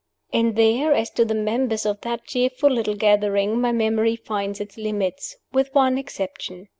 And there, as to the members of that cheerful little gathering, my memory finds its limits with one exception.